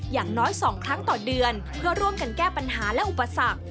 อย่างน้อย๒ครั้งต่อเดือนเพื่อร่วมกันแก้ปัญหาและอุปสรรค